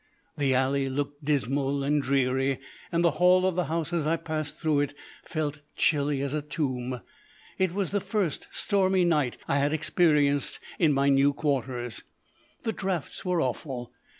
The alley looked dismal and dreary, and the hall of the house, as I passed through it, felt chilly as a tomb. It was the first stormy night I had experienced in my new quarters. The draughts were awful.